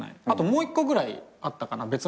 あともう一個ぐらいあったかな。